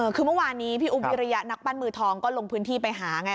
คือเมื่อวานนี้พี่อุ๊บวิริยะนักปั้นมือทองก็ลงพื้นที่ไปหาไง